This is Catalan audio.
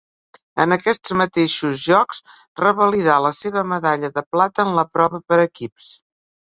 En aquests mateixos Jocs revalidà la seva medalla de plata en la prova per equips.